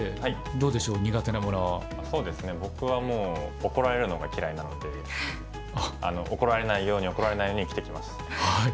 僕はもう怒られるのが嫌いなので怒られないように怒られないように生きてきました。